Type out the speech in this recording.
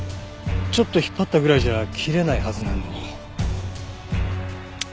ちょっと引っ張ったぐらいじゃ切れないはずなのに。